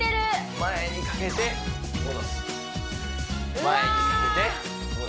前にかけて戻すうわ！